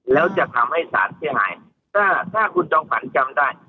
แล้วจะทำให้ศาลเสียหายถ้าคุณจงฝันจำได้